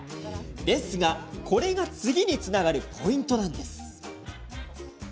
ですが、これが次につながるポイントなんです。